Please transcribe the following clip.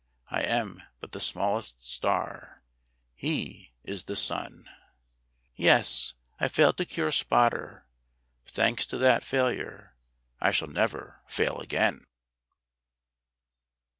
I am but the smallest star; he is the sun." Yes, I failed to cure Spotter. But thanks to that failure, I shall never fail again.